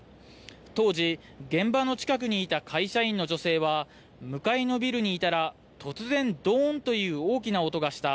当時、現場の近くにいた会社員の女性は向かいのビルにいたら突然どーんという大きな音がした。